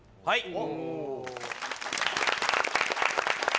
はい。